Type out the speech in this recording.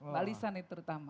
balisan itu terutama